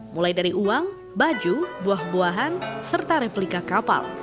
mulai dari uang baju buah buahan serta replika kapal